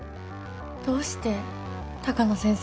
どうして鷹野先生を？